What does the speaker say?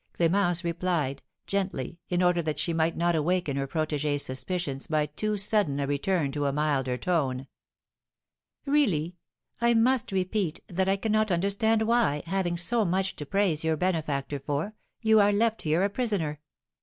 Clémence replied, gently, in order that she might not awaken her protégée's suspicions by too sudden a return to a milder tone: "Really I must repeat that I cannot understand why, having so much to praise your benefactor for, you are left here a prisoner.